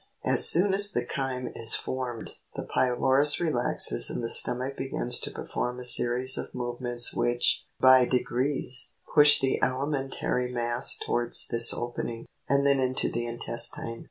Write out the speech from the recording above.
As soon as the chyme is formed, the pylorus relaxes and the stomach begins to perform a series of movements which, by de grees, push the alimentary mass towards this opening, and then into the intestine.